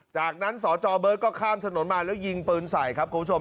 จากนั้นสจเบิร์ตก็ข้ามถนนมาแล้วยิงปืนใส่ครับคุณผู้ชม